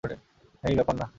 হেই ব্যাপার না।